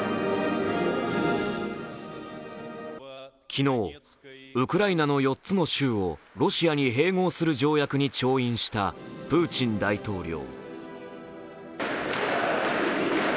昨日、ウクライナの４つの州をロシアに併合する条約に調印したプーチン大統領。